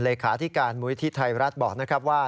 แลครที่การมวลที่ไทรรัฐบอกนะครับว่า